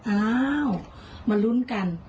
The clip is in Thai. อ้าวมาลุ้นกัน